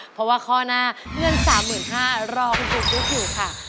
เพราะว่าข้อหน้าเงิน๓๕๐๐บาทรอคุณตูนบุ๊กอยู่ค่ะ